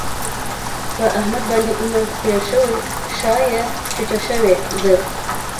په احمد باندې عمر تېر شوی شا یې ټیټه شوې ده.